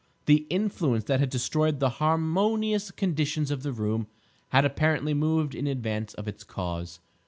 The influence that had destroyed the harmonious conditions of the room had apparently moved in advance of its cause.